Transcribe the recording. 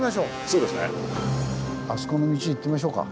そうですね。あそこの道行ってみましょうか。